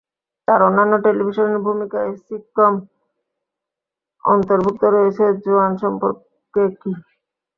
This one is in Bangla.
তাঁর অন্যান্য টেলিভিশনের ভূমিকায় সিটকম "অন্তর্ভুক্ত রয়েছে জোয়ান সম্পর্কে কী?"